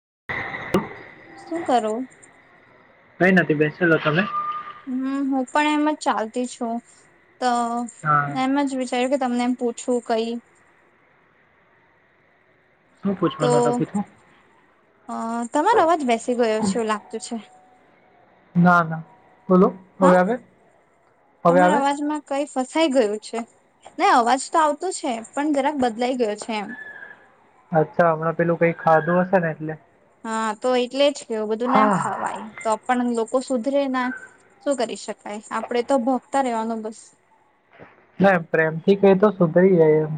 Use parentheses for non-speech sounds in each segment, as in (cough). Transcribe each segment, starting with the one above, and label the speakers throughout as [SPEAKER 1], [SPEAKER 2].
[SPEAKER 1] (inaudible)
[SPEAKER 2] શું કરું?
[SPEAKER 1] કઈ નથી બેસેલો તમે?
[SPEAKER 2] હમ હું પણ એમ જ ચાલતી છું. તો
[SPEAKER 1] હા
[SPEAKER 2] એમ જ તમને એ પછું કહી.
[SPEAKER 1] શું
[SPEAKER 2] તો
[SPEAKER 1] પૂછવાનો હતો કીધું
[SPEAKER 2] અ તમારો અવાજ બેસી ગયો છે. એવું લાગતું છે.
[SPEAKER 1] ના ના બોલો હવે
[SPEAKER 2] હા
[SPEAKER 1] આવે હવે
[SPEAKER 2] તમારા
[SPEAKER 1] આવે?
[SPEAKER 2] અવાજમાં કઈ ફસાઈ ગયું છે. નહી અવાજ તો આવતો છે. પણ જરાક બદલાઈ ગયો છે એમ.
[SPEAKER 1] અચ્છા હમણાં પેલું કઈ ખાધું હસે ને એટલે
[SPEAKER 2] હા, તો એટલે જ કેવ, બધું ના
[SPEAKER 1] હા
[SPEAKER 2] ખવાય, તો પણ લોકો લોકો સુધરે ના. શું કરી શકાય? આપડે તો ભોંકતા રેવાનું બસ.
[SPEAKER 1] ના, પ્રેમ થી કેય તો સુધરી જાય એમ.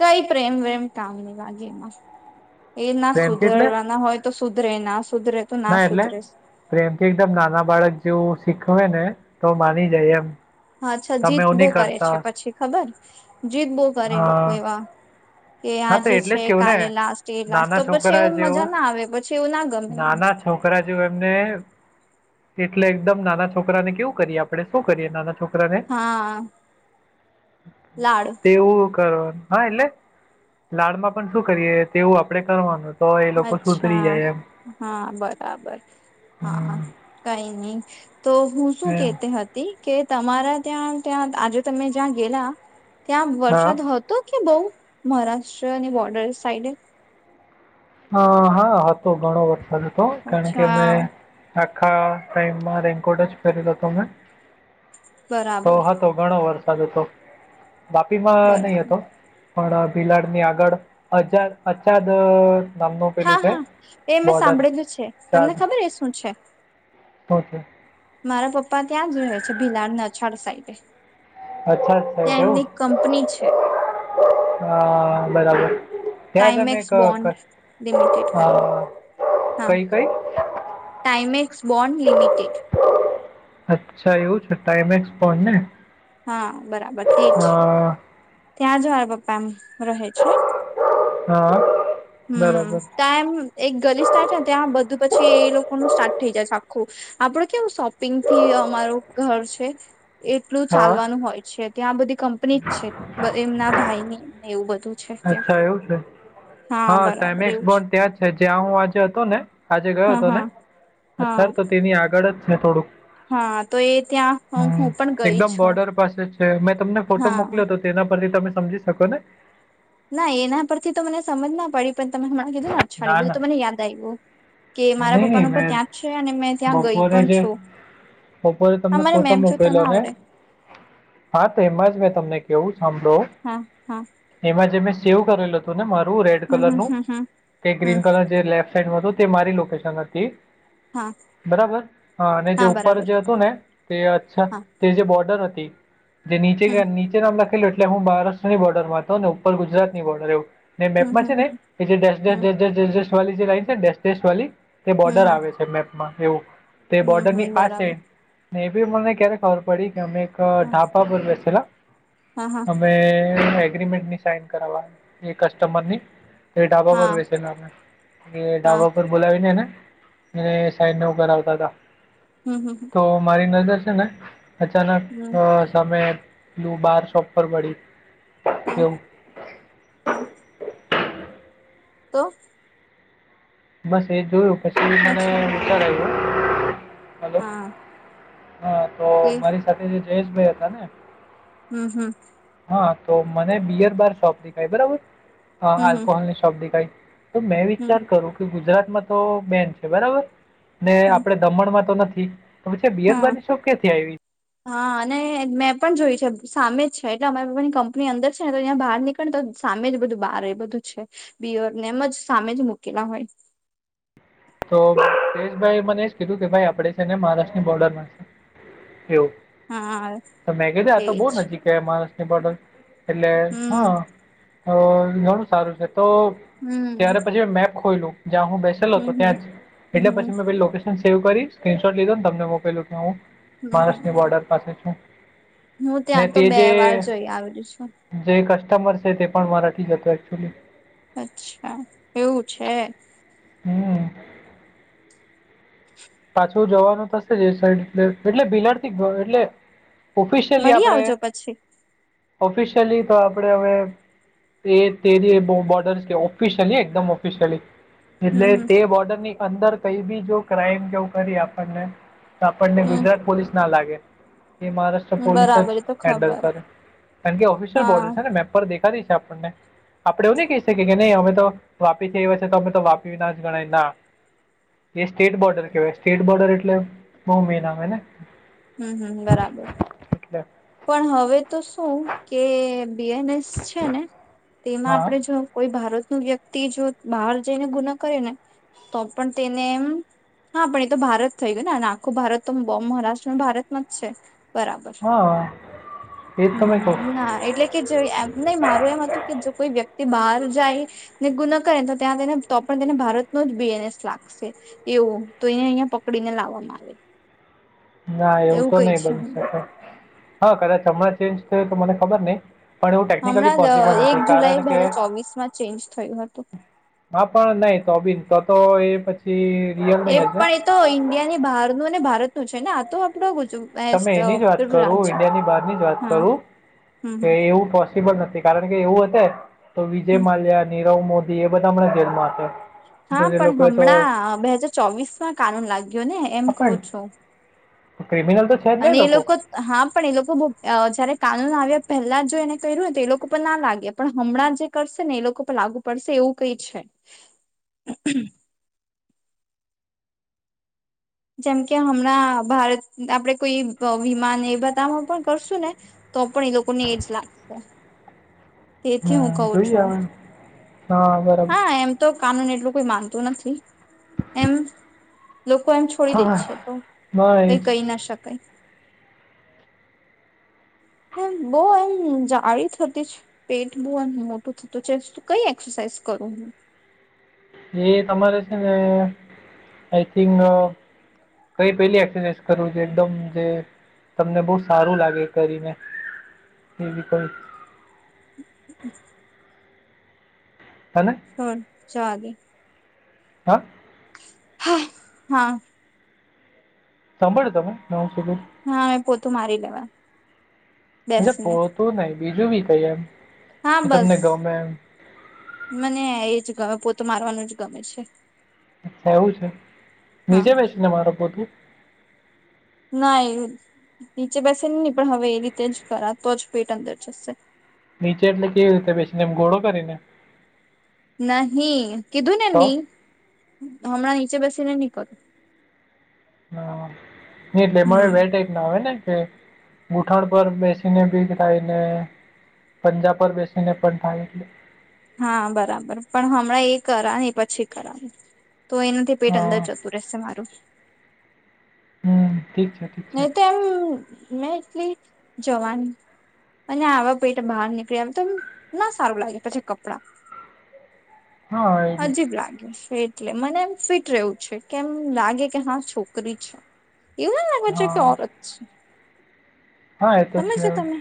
[SPEAKER 2] કઈ પ્રેમ વેમ કામ ની લાગે એમાં. એના
[SPEAKER 1] પ્રેમથી એટલે
[SPEAKER 2] સુધરવાના હોય તો સુધરે, ના સુધરે તો ના સુધરે!
[SPEAKER 1] પ્રેમથી એકદમ નાના બાળક જેવું સીખવે ને, તો માની જાય, એમ.
[SPEAKER 2] પાછા
[SPEAKER 1] તમે
[SPEAKER 2] જીત
[SPEAKER 1] એવું
[SPEAKER 2] બહુ
[SPEAKER 1] નહીં
[SPEAKER 2] કરે
[SPEAKER 1] કરતા
[SPEAKER 2] છે પછી ખબર? જીદ બહુ કરે એ લોકો
[SPEAKER 1] હા
[SPEAKER 2] એવા કે
[SPEAKER 1] હા તો
[SPEAKER 2] આજે
[SPEAKER 1] એટલે
[SPEAKER 2] છે,
[SPEAKER 1] જ કેવું ને
[SPEAKER 2] કાલે લાસ્ટ ડે, લાસ્ટ.
[SPEAKER 1] નાના
[SPEAKER 2] તો પછી
[SPEAKER 1] છોકરા
[SPEAKER 2] એવું મજા
[SPEAKER 1] જેવું
[SPEAKER 2] ના આવે પછી, એવું ના ગમે એમ.
[SPEAKER 1] નાના છોકરા જેવુ એમને
[SPEAKER 2] (inaudible)
[SPEAKER 1] એટલે એકદમ નાના છોકરાને કેવું કરીએ આપડે? સુ કરીએ નાના છોકરાને?
[SPEAKER 2] હા લાડ
[SPEAKER 1] તેવું કરવાનું. હા, એટલે, લાડમાં પણ સું કરીએ તેવું આપડે કરવાનું. તો એ લોકો સુધરી
[SPEAKER 2] અચ્છા,
[SPEAKER 1] જાય એમ
[SPEAKER 2] હા, બરાબર. હા,
[SPEAKER 1] હમ
[SPEAKER 2] કઈ નઈ. તો હું શું
[SPEAKER 1] એમ
[SPEAKER 2] કેહતી હતી કે તમારા ત્યાં ત્યાં આજે તમે જ્યાં ગેલા, ત્યાં વરશાદ
[SPEAKER 1] હા
[SPEAKER 2] હતો કે બઉ? મહારાષ્ટ્ર અને બોર્ડર સાઈડે?
[SPEAKER 1] હ હા હતો, ઘણો વરસાદ હતો, કારણ કે
[SPEAKER 2] અચ્છા
[SPEAKER 1] મે (unintelligible) આખા ટાઈમમાં રેનકોટ જ પેરેલો હતો, મેં તો
[SPEAKER 2] બરાબર
[SPEAKER 1] હતો ઘણો વરસ વરસાદ હતો, વાપી માં
[SPEAKER 2] બરાબર
[SPEAKER 1] નહી હતો. પણ ભિલાડની આગળ અજા, અછાદ
[SPEAKER 2] હા હા એ મેં સાંભળેલું છે, તમને ખબર એ સું છે?
[SPEAKER 1] તો છે
[SPEAKER 2] મારા પપ્પા ત્યાં જ રહે છે ભિલાડને અછાડ સાઈડે
[SPEAKER 1] અચ્છા સાઈડ
[SPEAKER 2] ત્યાં
[SPEAKER 1] એવું
[SPEAKER 2] એમની કંપની છે.
[SPEAKER 1] હા બરાબર ત્યાંજ મે
[SPEAKER 2] ટાઈમેક્સ
[SPEAKER 1] એક અ,
[SPEAKER 2] બોન્ડ લિમિટેડ કરીને
[SPEAKER 1] (inaudible) કઈ કઈ?
[SPEAKER 2] Timex bond limited.
[SPEAKER 1] અચ્છા એવું છે. ટાઈમેક્સ પણ ને
[SPEAKER 2] હા બરાબર તેજ
[SPEAKER 1] અ,
[SPEAKER 2] છે. ત્યાં જ હોય પપ્પા એમ રહે છે?
[SPEAKER 1] હા
[SPEAKER 2] હમ
[SPEAKER 1] બરાબર
[SPEAKER 2] ત્યાં એમ એક ગલીસ થાય છે. ને ત્યાં બધું પછી એ લોકોનુંસ્ટાર્ટ થઈ જાય છે આખું આપડું કેવું શોપિંગ થી અમારું ઘર છે. એટલું
[SPEAKER 1] હા
[SPEAKER 2] ચાલવાનું હોય છે, ત્યાં બધી કંપની જ છે, બ એમના ભાઈની ને એવું બધું છે ત્યાં
[SPEAKER 1] અચ્છા એવું છે. હા, ટાઈમેક્સ બોન્ડ ત્યાં જ છે. જ્યાં હું આજે હતો ને, આજે ગયો
[SPEAKER 2] હા
[SPEAKER 1] હતો ને?
[SPEAKER 2] હા હા
[SPEAKER 1] અચ્છા, તો તેની આગળ જ છે થોડુંક.
[SPEAKER 2] હા તો એ ત્યાં
[SPEAKER 1] હમ
[SPEAKER 2] હું પણ ગઈ
[SPEAKER 1] એકદમ
[SPEAKER 2] છું
[SPEAKER 1] બોર્ડર પાસે છે. મેં તમને ફોટો
[SPEAKER 2] હા
[SPEAKER 1] મોકલોયો હતો તેનો. તેના પરથી તમે સમજી સકો ને?
[SPEAKER 2] ના એના પરથી તો મને સમજ ના પડી, પણ તમે હમણાં કીધું ને? અછાડે
[SPEAKER 1] ના
[SPEAKER 2] બધું,
[SPEAKER 1] ના
[SPEAKER 2] તો મને યાદ આવ્યું. કે મારા
[SPEAKER 1] નહીં નહીં
[SPEAKER 2] પપ્પાનું પણ
[SPEAKER 1] મેં
[SPEAKER 2] ત્યાં જ છે અને મેં ત્યાં ગઈ
[SPEAKER 1] બપોરે
[SPEAKER 2] પણ
[SPEAKER 1] જે
[SPEAKER 2] છું.
[SPEAKER 1] બપોરે તમને
[SPEAKER 2] તમારે
[SPEAKER 1] ફોટો
[SPEAKER 2] મેપ જોતા ના
[SPEAKER 1] મોક્યલોને! ને
[SPEAKER 2] આવડે
[SPEAKER 1] હા તેમાં જ મે ત મે કેવું, સાંભળો.
[SPEAKER 2] હા હા
[SPEAKER 1] એમાં જે મેં સેવ કરેલું હતું ને મારું, એવું રેડ
[SPEAKER 2] હમ
[SPEAKER 1] કલર
[SPEAKER 2] હમ
[SPEAKER 1] નું
[SPEAKER 2] હમ હમ
[SPEAKER 1] કે
[SPEAKER 2] હમ
[SPEAKER 1] ગ્રીન કલર જે લેફ્ટ સાઈડમાં હતું, તે મારી લોકેશન હતી,
[SPEAKER 2] હા
[SPEAKER 1] બરાબર, હા અને જે ઉપર જે હતું ને, તે અછા
[SPEAKER 2] હા
[SPEAKER 1] તે જે બોર્ડર જે નીચે,
[SPEAKER 2] હમ
[SPEAKER 1] નીચે નામ લ એટલે હું મહારાષ્ટ્રની બર્ડરમાં હતો ને ઉપર ગુજરાતની બોર્ડર એવું ને
[SPEAKER 2] હમ
[SPEAKER 1] મેપમાં
[SPEAKER 2] હમ
[SPEAKER 1] છે ને
[SPEAKER 2] હમ
[SPEAKER 1] એ જે ડૅશ ડૅશ
[SPEAKER 2] હમ
[SPEAKER 1] ડૅશ ડૅશ ડૅશ ડૅશવાલી જે લાઈન છે ને ડૅશ ડૅશ વાલી, તે બોર્ડર
[SPEAKER 2] હમ
[SPEAKER 1] આવે છે. મેપમાં એવું તે
[SPEAKER 2] હમ
[SPEAKER 1] બોર્ડર ની
[SPEAKER 2] હમ
[SPEAKER 1] આ છે.
[SPEAKER 2] બરાબર
[SPEAKER 1] ને બી મને ક્યારે ખબર પડી કે અમે એક.
[SPEAKER 2] હા
[SPEAKER 1] ઢાબા પરુર બેસેલા
[SPEAKER 2] હા હા
[SPEAKER 1] અમે એગ્રીમેન્ટની સાઈન કર એ કસ્ટમરની. એ ઢાબા પર
[SPEAKER 2] હા
[SPEAKER 1] બેસે એ
[SPEAKER 2] હા
[SPEAKER 1] ઢાબા પર બોલાવીને ને એને સાઈડને ઉપર આવતા હતા,
[SPEAKER 2] હમ હમ
[SPEAKER 1] તો મારી નજર છે ને અચાનક
[SPEAKER 2] હમ
[SPEAKER 1] સામે પેલું બાર શોપ પર પડી
[SPEAKER 2] હમ,
[SPEAKER 1] એવું
[SPEAKER 2] હમ તો?
[SPEAKER 1] બસ એ જોયું પછી મને
[SPEAKER 2] અચ્છા
[SPEAKER 1] વ
[SPEAKER 2] હા
[SPEAKER 1] (unintelligible) હલો
[SPEAKER 2] હા
[SPEAKER 1] હા, તો
[SPEAKER 2] કે
[SPEAKER 1] મારી સાથે જે જયેશભાઈ હતા ને
[SPEAKER 2] હમ, હમ.
[SPEAKER 1] હા તો મને બિયર બાર શોપ દેખાય બરાબર,
[SPEAKER 2] હમ હમ
[SPEAKER 1] આલ્કોહોલ ની શોપ દેખાય તો મેં
[SPEAKER 2] હમ
[SPEAKER 1] વિચાર કરું. કે ગુજરાતમાં તો બેન છે બરાબર, ને
[SPEAKER 2] હમ
[SPEAKER 1] આપડ દમણમાં તો નથી પછ
[SPEAKER 2] હા
[SPEAKER 1] બિયરબાની શો ક્યાથી આવી?
[SPEAKER 2] હા અને મેં પણ જોયું છે. સામે જ છે એટલે અમારા બાપા ની કંપની અંદર છે. ને તો ત્યાં બહાર નીકળે ને તો સામે જ બધું બાર એ બધું છે. બિયર ને એમજ સામે જ મુૂકેલા હોય.
[SPEAKER 1] તોેશભાઈ મને એજ કીધું કે ભાઈ આપડે છે ને મહારાષ્ટ્રની બોર્ડર માં છે.
[SPEAKER 2] હા
[SPEAKER 1] એવું મેં કધે આ તો બહ
[SPEAKER 2] એજ
[SPEAKER 1] નજીક, માણસની બટલ. એટલે
[SPEAKER 2] હમ
[SPEAKER 1] હા તો ઘણું સારું છે. તો
[SPEAKER 2] હમ
[SPEAKER 1] ત્યારે પછી મેપ ખો જ્યાં હું બેસેલો
[SPEAKER 2] હમ
[SPEAKER 1] હતો.
[SPEAKER 2] હમ
[SPEAKER 1] ત્યાં એટલે
[SPEAKER 2] હમ
[SPEAKER 1] પછી મેકેશન સેવ કરી સ્ક્રીનશોટ લીધો ને તમને મોકેલું કે હું
[SPEAKER 2] હમ
[SPEAKER 1] મહારાષ્ટ્રની
[SPEAKER 2] હમ
[SPEAKER 1] બોર્ડર પાસે છું.
[SPEAKER 2] હું ત્યાં તો
[SPEAKER 1] તેજ
[SPEAKER 2] બે વાર જઈ આવેલી છું
[SPEAKER 1] જે કષ્ટ તે પણ સે મારાથી જ હતચુલી
[SPEAKER 2] અચ્છા એવું છે.
[SPEAKER 1] હમ પાછું જવાનું થશે જ એ સાઈડ એટલે, એટલે બિલાડ થી એટલે. ઓફિશિયલી
[SPEAKER 2] મળી
[SPEAKER 1] આપણે
[SPEAKER 2] આવજો પછી
[SPEAKER 1] ઓફિશિયલી તો આપણેે હવે. તે તે જે બોર્ડર્સ કે ઓફિસિયલી એકદમ ઓફિશિયલી. એટલે
[SPEAKER 2] હમ હમ
[SPEAKER 1] તે બોર્ડરની અંદર કઈ બી જો ક્રાઈમ કેવું કરી આપણને. આપણને
[SPEAKER 2] હમ
[SPEAKER 1] ગુજરાત પોલીસ ના લાગે. મહારાષ્ટ્ર
[SPEAKER 2] હમ,
[SPEAKER 1] પોલીસ જ
[SPEAKER 2] બરાબર એ તો
[SPEAKER 1] હેન્ડલ
[SPEAKER 2] ખબર
[SPEAKER 1] કરે. કારણ કે ઓફિશિયલ
[SPEAKER 2] હા
[SPEAKER 1] બોર્ડરસ છે ને મેપ પર. કરી છે આપણને આપડે એવું ન કહી શકીએ કે નહી અમે તો વાપીએ છ છે તો અમે તો વાપી ના ગણાય ના એ સ્ટેટ બોર્ડર કેવાય સ્ટેટ બોર્ડર એટલે મમી નામે ને
[SPEAKER 2] હમ હમ બરાબર
[SPEAKER 1] એટલે
[SPEAKER 2] પણ હવે તો શું કે બીએનએસ છે ને તેમાં
[SPEAKER 1] હા
[SPEAKER 2] આપણે જો કોઈ ભારત ન વ્યક્તિ જો બહાર જઈને ગુના કરે ને તો પણ તેને એમ.. હા પણ એ તો ભારત થઈ ગયોું ને. આખો ભારત તો મહારાષ્ટ્ર ભારતમાં જ છે. બરાબર.
[SPEAKER 1] હા એજ તો મેં કવ
[SPEAKER 2] હમ ના એટલે કે એમ નહી મારું એમ હતું કે જો કોઈ વ્યક્તિ તે બહાર જાય ને ગુ ન કરે તો ત્યાં તેને તો પણ તેને ભારતનો જ બીએનએસ લાગશે એવું તો એને અહિયાં પકડીને લાવવામાં આવે.
[SPEAKER 1] ના એવું તો
[SPEAKER 2] કઈ
[SPEAKER 1] નહી
[SPEAKER 2] છે
[SPEAKER 1] બની શકે
[SPEAKER 2] હમણાં.
[SPEAKER 1] હા. કદાચ હમણાં ચેન્જ થયો તો મને ખબર નહી. પણ એવું ટેકનિકલી
[SPEAKER 2] હમણાં જ
[SPEAKER 1] પોસિબલ
[SPEAKER 2] એક
[SPEAKER 1] નથી.
[SPEAKER 2] જુલાઈ
[SPEAKER 1] કારણ
[SPEAKER 2] બે
[SPEAKER 1] કે.
[SPEAKER 2] હજાર ચોવીસ માં ચેન્જ થયું હતું.
[SPEAKER 1] હા પણ નહી તો બીન તો તો એ પછી રિયલ
[SPEAKER 2] એ
[SPEAKER 1] નહીં હશે.
[SPEAKER 2] પણ એ તો ઈન્ડિયા ની બહારનું અને ભારતનુંું છે ને આ તો આપડું.
[SPEAKER 1] તમે એની જ વાત કરો, ઈન્ડિયા ની બહાર ની જ વાત.
[SPEAKER 2] હા
[SPEAKER 1] કરું
[SPEAKER 2] હમ
[SPEAKER 1] કે
[SPEAKER 2] હમ
[SPEAKER 1] એવું બલ નથી કારણ કે. એવું હત તો વિજય
[SPEAKER 2] હમ
[SPEAKER 1] માલ્યા નીરવ મોદી એ બધા હમણાં જેલમાં હતા
[SPEAKER 2] હા પણ હમણાં બે હાજાર ચોવીસ માં કાનૂન લાગ્યો ને એમ
[SPEAKER 1] હા,
[SPEAKER 2] કવ
[SPEAKER 1] પણ
[SPEAKER 2] છું.
[SPEAKER 1] ક્રિમિનલ તો છે જ ને
[SPEAKER 2] અને એ લોકો હા પણ એ લોકો બ જયારે કાનૂન આવ્યા પહેલા જો એને કર્યું હોને તો એ લોકો પર ના લાગે પણ હમણાં જે કરશે ને એ લોકો પર લાગુ પડશે. એવું કઈ છે. જેમ કે હમણાં ભારત આપડે કોઈ વિમાન એ બધામાં પણ કરશું ને તો પણ એ લોકોને એજ લાગશે તેથી હું
[SPEAKER 1] હમ્મ,
[SPEAKER 2] કવું
[SPEAKER 1] જોઈએ
[SPEAKER 2] છું
[SPEAKER 1] હવે. હા, બરાબર.
[SPEAKER 2] હા એમ તો કાનૂની એટલું કોઈ માનતું નથી એમ લોકો એમ છોડી દે
[SPEAKER 1] હા,
[SPEAKER 2] છે તો
[SPEAKER 1] ના એ
[SPEAKER 2] કઈ
[SPEAKER 1] જ.
[SPEAKER 2] કહી ના શકાય હમ બઉ એમ જાળી થતી છે. પેટ બહ એમ મોટું થતું છેું કઈ એક્સરસાઇઝ કરું હું (inaudible)
[SPEAKER 1] એ તમારે છે ને આઈ થિંક કઈ પેલી એક્સરસાાઈઝ કરું છે. એકદમ જે તમને બહુ સારું લાગે કરીને એવી કોઈ
[SPEAKER 2] (inaudible)
[SPEAKER 1] હને
[SPEAKER 2] હ જાગે
[SPEAKER 1] હા
[SPEAKER 2] હા હા
[SPEAKER 1] સાંભળ્યું તમે નામ શું. છું?
[SPEAKER 2] હા અમે પોતું મારી લેવા નુ
[SPEAKER 1] પોતું નઈ બીજું બી કઈ એમ
[SPEAKER 2] હા
[SPEAKER 1] એ
[SPEAKER 2] બસ
[SPEAKER 1] તમને ગમે એમ
[SPEAKER 2] મને એજ ગમે પો તો મારવાનું જ ગમે છે.
[SPEAKER 1] એવું છે
[SPEAKER 2] હા
[SPEAKER 1] નીચે બેસી ને મારો પોટું
[SPEAKER 2] નહીં. નીચે બેસે નહી પણ હવે એ રીતે જ કરા તો જ પેટ અંદર જશે
[SPEAKER 1] નીચે એટલે કેવી રીતે પછીને એમ ઘોડો કરી ને
[SPEAKER 2] નહી કીધું ની હમણાં નીચે બેસેને નહીં કરું.
[SPEAKER 1] હા એટલે મ
[SPEAKER 2] હમ
[SPEAKER 1] બેટક ના આવે ને ગૂઠણ, પર બેસીને (unintelligible) થાયને પંજાબ, પર બેસીને પણ થાય. એટલે
[SPEAKER 2] હા, બરાબર પણ હમણાં એ કરા ને પછી કરનુ તો એનાથી, પેટ અંદર
[SPEAKER 1] હા
[SPEAKER 2] જતું રહેશે મારુ
[SPEAKER 1] હમ્મ ઠીક છે, ઠીક છે.
[SPEAKER 2] નહી, તો એમ મેં એટલી જવાની અને આવે પેટ બહાર નીકળી આવે તો ના સારું લાગે પછી કપડાં.
[SPEAKER 1] હા, એ બી
[SPEAKER 2] હજીબ
[SPEAKER 1] છે.
[SPEAKER 2] લાગે છે એટલે મને એમ ફિટ રહેવુ છે કેમ લાગે કે હા છોકરી છે એવું અકે
[SPEAKER 1] હા,
[SPEAKER 2] ઓરત
[SPEAKER 1] હા એ તો છે
[SPEAKER 2] સમજ્યા
[SPEAKER 1] હવે
[SPEAKER 2] તમે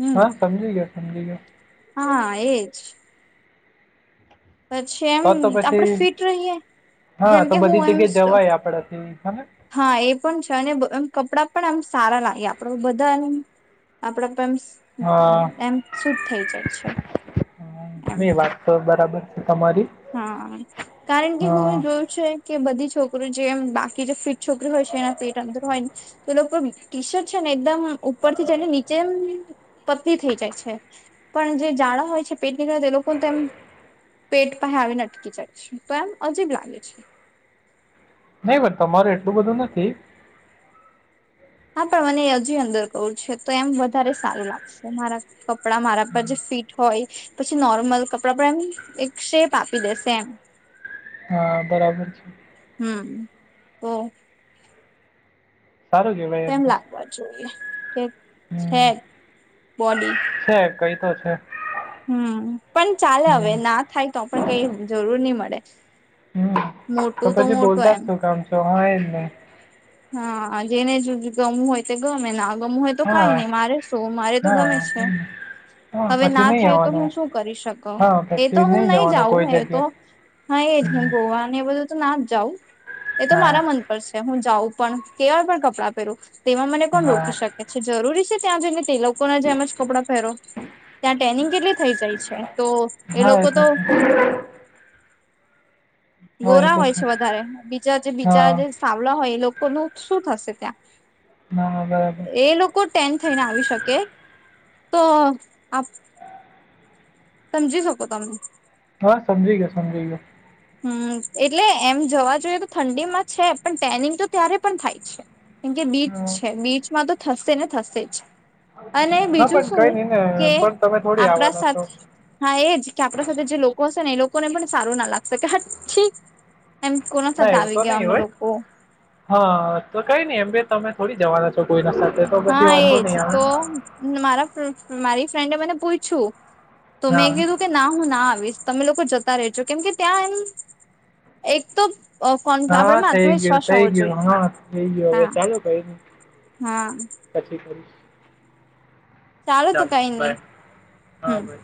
[SPEAKER 2] હમ
[SPEAKER 1] હા સમજી ગયો સમજી ગયો.
[SPEAKER 2] હા એજ પછી એમ
[SPEAKER 1] તો તો
[SPEAKER 2] આપડે
[SPEAKER 1] પછી
[SPEAKER 2] ફિટ રહીએ. જેમ
[SPEAKER 1] હા, તો
[SPEAKER 2] કે હું
[SPEAKER 1] બધી
[SPEAKER 2] એમ
[SPEAKER 1] જગ્યાએ જવાય આપણાથી હને?
[SPEAKER 2] હા એ પણ છે અને કપડાં પણ આમ સારા લાગે આપડ બધા એ આપડા. એ
[SPEAKER 1] હા,
[SPEAKER 2] એમ શૂટ થઈ જાય છે એમ
[SPEAKER 1] ની વાત તો બરાબર છે તમારી.
[SPEAKER 2] હા કારણ કે
[SPEAKER 1] હા,
[SPEAKER 2] હું જોયું છે. કે બધી છોકરી જેમ બાકી જે ફીટ છોકરી હોય છે એના પેટ અંદર હોય ને તો એ લોકો ટિશરટ છે ને. એકદમ ઉપર થી જઈને નીચે પતલી થઈ જાય છે પણ જે જાડા હોય છે. ની લોકોને પેટ પસે આવી અટકી જાય છે તો એમ અજીબ લાગે છે.
[SPEAKER 1] નહી. પણ તમારું એટલું બધુ નથી.
[SPEAKER 2] હા પણ મને હજી અંદર કવું છે, તો એમ વધારે સારું લાગશે મારા કપડા મારા પર જે ફીટ હોય હોય, પછી નોર્મલ કપડાં પણ એમ એક શેપ આપી દેશે એમ
[SPEAKER 1] હા, બરાબર છે.
[SPEAKER 2] ઓ
[SPEAKER 1] સારું કહેવાય
[SPEAKER 2] એમ
[SPEAKER 1] તો.
[SPEAKER 2] લાગવા જોઈએ કે છે,
[SPEAKER 1] હમ્મ,
[SPEAKER 2] હેડ બોડી
[SPEAKER 1] છે, કઈ તો છે.
[SPEAKER 2] હુ, પણ ચાલે હવે
[SPEAKER 1] હમ્મ,
[SPEAKER 2] ના થાય તો પણ કંઈ જરૂર નહી, મળે
[SPEAKER 1] હમ્મ. તો
[SPEAKER 2] મોટું
[SPEAKER 1] પછી
[SPEAKER 2] મોટું
[SPEAKER 1] બોલતા
[SPEAKER 2] એમ
[SPEAKER 1] છુ. કામ છે, હા એ નહી
[SPEAKER 2] હા, જેને જેટલુ ગમુ હોય, તે ગમે આપ ગમવુ હોય‌, તો
[SPEAKER 1] હા,
[SPEAKER 2] કંઈ નહી મારે શું મારે તો
[SPEAKER 1] હા,
[SPEAKER 2] ગમે છે.
[SPEAKER 1] હમ્મ. હા,
[SPEAKER 2] હવે,
[SPEAKER 1] પછી
[SPEAKER 2] ના
[SPEAKER 1] નહીં
[SPEAKER 2] થાય તો હુ,
[SPEAKER 1] આવવાનું.
[SPEAKER 2] શું કરી શક
[SPEAKER 1] હા,
[SPEAKER 2] એ તો
[SPEAKER 1] પછી
[SPEAKER 2] હુ
[SPEAKER 1] નહીં
[SPEAKER 2] નહી.
[SPEAKER 1] જવાનું
[SPEAKER 2] જાઉ
[SPEAKER 1] કોઈ
[SPEAKER 2] એ તો
[SPEAKER 1] જગ્યાએ.
[SPEAKER 2] હા, એ જ હુ
[SPEAKER 1] હમ,
[SPEAKER 2] ગોવા એ બધું તો ના જ જાઉં એ તો મારા
[SPEAKER 1] હા,
[SPEAKER 2] મન પર છે, હું જાઉં પણ કેવાય પણ કપડાં પહેરુ તેમાં મને કો
[SPEAKER 1] હા.
[SPEAKER 2] રોકી શકે છે, જરૂરી છે, ત્યાં જઈને તે લોકોને જેમ જ કપડાં પહેરો ત્યાં ટ્રેનિંગ કેટલી થઈ જાય છે, તો એ લોકો તો
[SPEAKER 1] હા, એ
[SPEAKER 2] ગોરા
[SPEAKER 1] તો
[SPEAKER 2] હોય છે, વધારે બીજા જે બીજા જે
[SPEAKER 1] હા,
[SPEAKER 2] સાવલા હોય એ લોકો કોનું શું થશે ત્યાં
[SPEAKER 1] નહા, બરાબર
[SPEAKER 2] એ લોકો ટેન થઈને આવી શકે તો આપ સમજી શકો તમે
[SPEAKER 1] હા સમજી ગયા, સમજી ગયો.
[SPEAKER 2] હુ, એટલે એમ જવા જોઈએ તો ઠંડીમાં છે, પણ ટેનિંગ તો ત્યારે પણ થાય છે. કેમ કે બીચ
[SPEAKER 1] હા,
[SPEAKER 2] છે, બીચમાં તો થશે ને થશે જ અને
[SPEAKER 1] હા,
[SPEAKER 2] બીજુ,
[SPEAKER 1] પણ
[SPEAKER 2] શું
[SPEAKER 1] કંઈ નહીં ને
[SPEAKER 2] કે
[SPEAKER 1] પણ તમે થોડી
[SPEAKER 2] આપણા
[SPEAKER 1] આવવાના છો.
[SPEAKER 2] સાથે હા, એજ કે આપણા સાથે જે લોકો હશે, ને એ લોકોને પણ સારુ ના લાગશે કે એમ કોના
[SPEAKER 1] ના
[SPEAKER 2] સાથે
[SPEAKER 1] એવુ
[SPEAKER 2] આવી
[SPEAKER 1] તો
[SPEAKER 2] ગયા
[SPEAKER 1] નઈ
[SPEAKER 2] અમે
[SPEAKER 1] હોય,
[SPEAKER 2] લોકો
[SPEAKER 1] હા તો કંઈ નઈ એમ તમે થોડી જવાના છો, કોઈ ના
[SPEAKER 2] હા, એજ તો મારા મારી ફ્રેન્ડે મને પૂછ્યું. તો
[SPEAKER 1] ને. હા,
[SPEAKER 2] મેં કીધું કે, ના, હું ના આવીશ. તમે લોકો જતા રેજો, કેમ કે ત્યાં એમ એક તો અ, કોન?
[SPEAKER 1] હા,
[SPEAKER 2] આપડે આત્મ
[SPEAKER 1] થઈ ગયું,
[SPEAKER 2] વિશ્વાસ
[SPEAKER 1] થઈ ગયું.
[SPEAKER 2] જોઈએ.
[SPEAKER 1] હા, થઈ ગયું. હવે
[SPEAKER 2] હા.
[SPEAKER 1] ચાલો
[SPEAKER 2] હા.
[SPEAKER 1] બ (unintelligible)
[SPEAKER 2] ચાલું, તો કંઈ નહી
[SPEAKER 1] હા,
[SPEAKER 2] હું.
[SPEAKER 1] બાય.